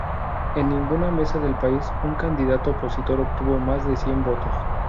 En ninguna mesa del país un candidato opositor obtuvo más de cien votos.